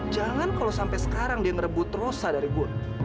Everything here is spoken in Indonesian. jangan kalau sampai sekarang dia ngerebut rosa dari gue